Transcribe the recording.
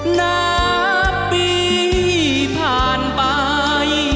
หน้าปีผ่านไป